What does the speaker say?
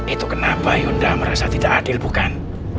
itu kenapa yonda merasa tidak adil bukan